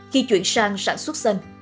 khi chuyển sang sản xuất xanh